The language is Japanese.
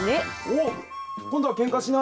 おっ今度はけんかしない。